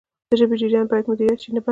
د ژبې جریان باید مدیریت شي نه بند.